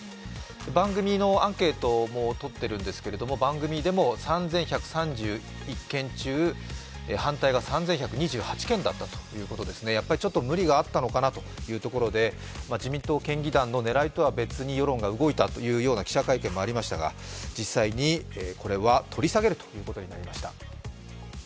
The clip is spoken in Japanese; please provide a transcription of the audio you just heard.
番組のアンケートもとってるんですけど番組でも３１３１件中反対が３１２８件だったということでやっぱりちょっと無理があったのかなというところで自民党県議団の狙いとは別に世論が動いたという記者会見がありましたが実際に、これは取り下げるということになりました。